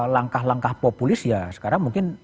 langkah langkah populis ya sekarang mungkin